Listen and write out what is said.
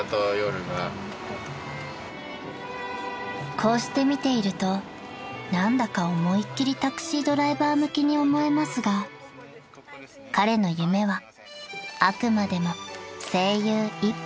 ［こうして見ていると何だか思いっ切りタクシードライバー向きに思えますが彼の夢はあくまでも声優一本］